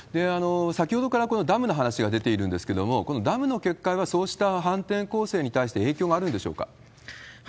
先ほどからこのダムの話が出ているんですけれども、このダムの決壊は、そうした反転攻勢に対して影響はあるんでしょうか？